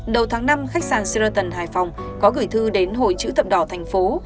đầu tháng năm khách sạn sheraton hải phòng có gửi thư đến hội chứ tập đỏ thành phố